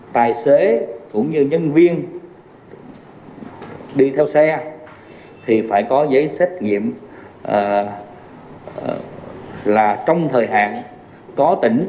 tài xế cũng như nhân viên đi theo xe thì phải có giấy xét nghiệm là trong thời hạn có tỉnh